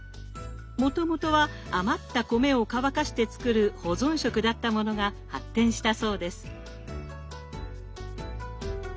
もともとは余った米を乾かして作る保存食だったものが発展したそうです。